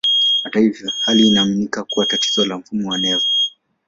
Hata hivyo, hali hii inaaminika kuwa tatizo la mfumo wa neva.